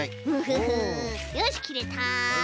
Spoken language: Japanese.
フフフよしきれた。